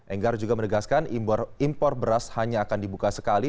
enggar juga menegaskan impor beras hanya akan dibuka sekali